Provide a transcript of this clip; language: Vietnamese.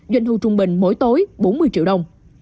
doanh thu trung bình mỗi tối bốn mươi triệu đồng